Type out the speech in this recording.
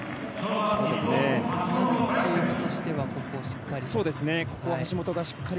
チームとしてはここをしっかり。